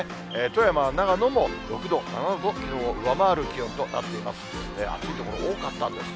富山や長野も６度、７度をきのうを上回る気温となったんです。